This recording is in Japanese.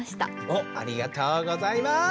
おっありがとうございます！